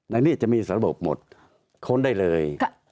ในนี้จะมีระบบหมดค้นได้เลย